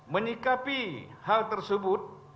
menikapi hal tersebut